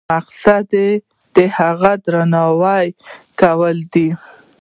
مقصد د هغې درناوی کول دي.